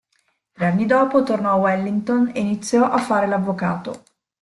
Tre anni dopo tornò a Wellington e iniziò a fare l'avvocato.